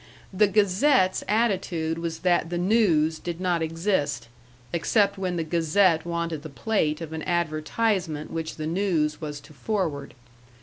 The Gazette's attitude was that the News did not exist except when the Gazette wanted the plate of an advertisement which the News was to forward.